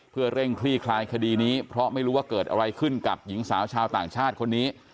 เพื่อเร่งคลี่คลายคดีนี้เพราะไม่รู้ว่าเกิดอะไรขึ้นกับหญิงสาวชาวต่างชาติคนนี้